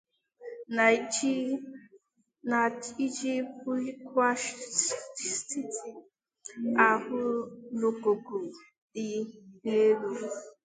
na iji bulikwa steeti ahụ n'ogoogo dị elu.